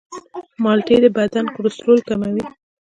مالټې د بدن کلسترول کموي.